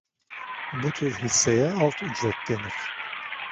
Bu tür hisseye alt ücret denir.